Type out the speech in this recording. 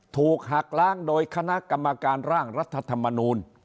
ถูกหักล้างโดยคณะกรรมการร่างรัฐธรรมนูล